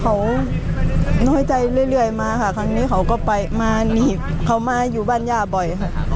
เขาน้อยใจเรื่อยมาค่ะครั้งนี้เขาก็ไปมาหนีบเขามาอยู่บ้านย่าบ่อยค่ะ